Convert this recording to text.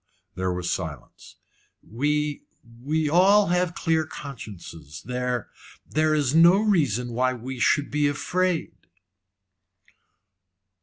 There was silence. "We we have all clear consciences. There there is no reason why we should be afraid."